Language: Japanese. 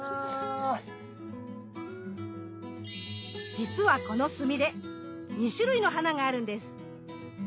じつはこのスミレ２種類の花があるんです。